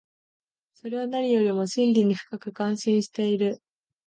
それは何よりも真理に深く関心している。